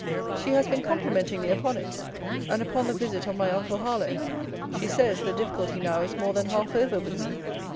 She has been complimenting me upon it; and upon the visit of my uncle Harlowe. She says, the difficulty now is more than half over with me.